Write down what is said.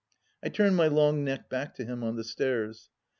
I turned my long neck back to him on the stairs.